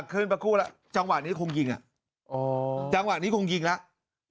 ขึ้นมาคู่แล้วจังหวะนี้คงยิงอ่ะอ๋อจังหวะนี้คงยิงแล้ว